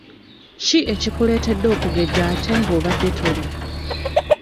Ki ekikuleetedde okugejja ate nga obadde tolya?